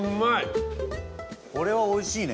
これは、おいしいね！